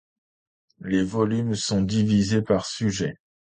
Les volumes sont divisés par sujet.